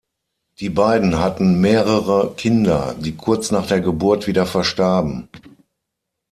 Die beiden hatten mehrere Kinder, die kurz nach der Geburt wieder verstarben.